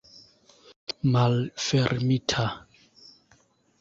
malfermita